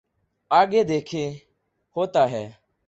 آگے دیکھئے ہوتا ہے۔